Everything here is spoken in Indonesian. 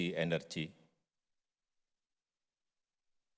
bagaimana skenario global untuk mengembangkan transisi energi tersebut